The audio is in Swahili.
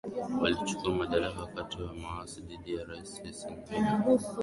Alichukua madaraka wakati wa maasi dhidi ya Rais Hissène Habré